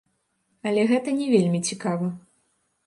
Але гэта не вельмі цікава.